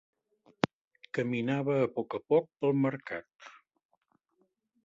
Caminava a poc a poc pel mercat.